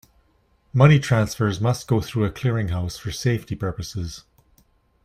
Money transfers must go through a clearinghouse for safety purposes.